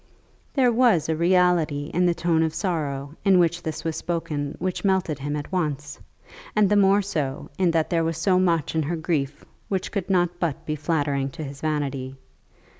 There was a reality in the tone of sorrow in which this was spoken which melted him at once; and the more so in that there was so much in her grief which could not but be flattering to his vanity.